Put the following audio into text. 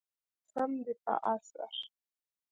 قسم دی په عصر.